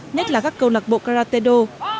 nhất là các câu lạc bộ karatedo